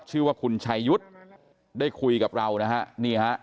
ชื่อว่าคุณชัยยุทธ์ได้คุยกับเราครับ